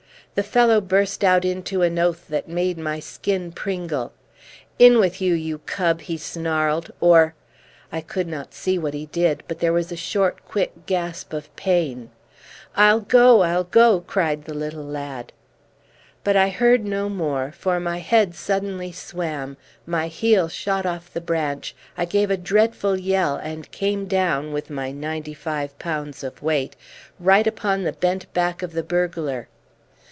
The fellow burst out into an oath that made my skin pringle. "In with you, you cub," he snarled, "or " I could not see what he did, but there was a short, quick gasp of pain. "I'll go! I'll go!" cried the little lad. But I heard no more, for my head suddenly swam, my heel shot off the branch, I gave a dreadful yell, and came down, with my ninety five pounds of weight, right upon the bent back of the burglar.